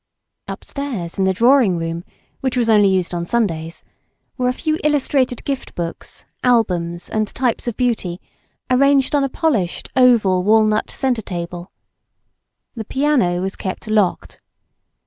Upstairs in the drawing room, which was only used on Sundays, were a few illustrated giftbooks, albums, and types of beauty arranged on a polished, oval, walnut centre table. The piano was kept locked.